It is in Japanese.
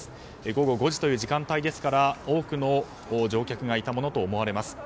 午後５時という時間帯ですから多くの乗客がいたものと思われます。